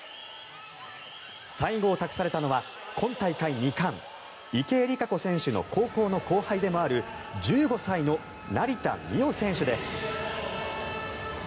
最後を託されたのは今大会２冠池江璃花子選手の高校の後輩でもある１５歳の成田実生選手です。